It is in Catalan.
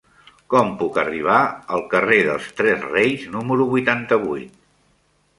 Com puc arribar al carrer dels Tres Reis número vuitanta-vuit?